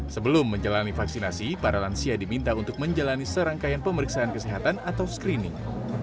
sebelum menjalani vaksinasi para lansia diminta untuk menjalani serangkaian pemeriksaan kesehatan atau screening